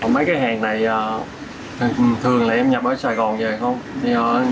mấy cái hàng này thường là em nhập ở sài gòn về không